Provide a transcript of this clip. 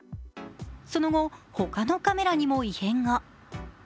その後、他のカメラにも異変が。